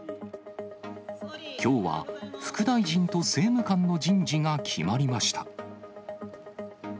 きょうは、副大臣と政務官の人事が決まりました。